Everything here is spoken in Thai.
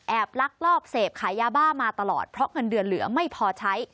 ลักลอบเสพขายยาบ้ามาตลอดเพราะเงินเดือนเหลือไม่พอใช้